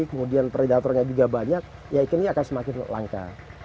kemudian predatornya juga banyak ya ikannya akan semakin langka